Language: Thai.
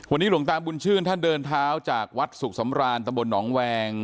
วันนี้หลวงตาบุญชื่นท่านเดินเท้าจากวัดสุขสำรานตะบลหนองแวง